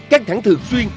căng thẳng thường xuyên